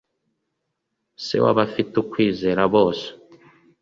se w abafite ukwizera bose